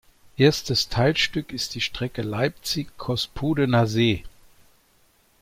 Erstes Teilstück ist die Strecke Leipzig–Cospudener See.